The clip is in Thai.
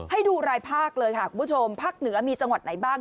ให้ดูรายภาคเลยค่ะคุณผู้ชมภาคเหนือมีจังหวัดไหนบ้าง